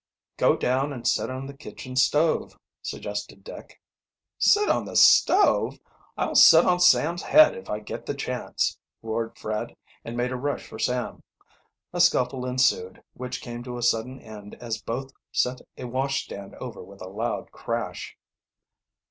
"Go down and sit on the kitchen stove," suggested Dick. "Sit on the stove? I'll sit on Sam's head if I get the chance!" roared Fred, and made a rush for Sam. A scuffle ensued, which came to a sudden end as both sent a washstand over with a loud crash.